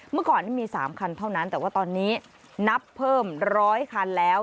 เมื่อก่อนนี้มี๓คันเท่านั้นแต่ว่าตอนนี้นับเพิ่ม๑๐๐คันแล้ว